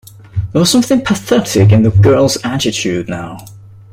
There was something pathetic in the girl's attitude now.